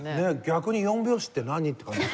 逆に４拍子って何？って感じ。